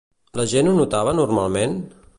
La gent ho notava normalment?